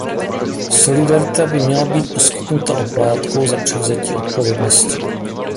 Solidarita by měla být poskytnuta oplátkou za převzetí odpovědnosti.